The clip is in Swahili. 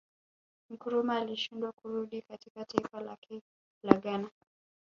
Nkrumah alishindwa kurudi katika taifa lake la Ghana